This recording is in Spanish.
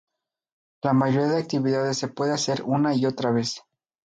La mayoría de actividades se pueden hacer una y otra vez.